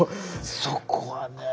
そこはねぇ。